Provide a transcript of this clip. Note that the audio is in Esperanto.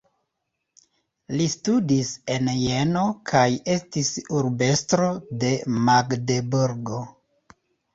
Li studis en Jeno kaj estis urbestro de Magdeburgo.